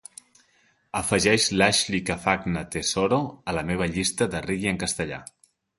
Afegeix l'Ashley Cafagna Tesoro a la meva llista de reggae en castellà